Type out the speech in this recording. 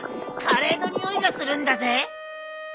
カレーの匂いがするんだぜ。